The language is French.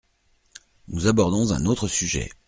Nous abordons un autre sujet.